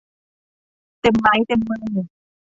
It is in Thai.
เต็มไม้เต็มมือ